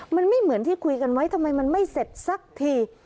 มันไม่เหมือนที่คุยกันไว้ทำไมมันไม่เสร็จสักที